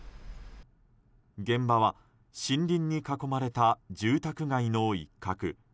現場は森林に囲まれた住宅街の一角。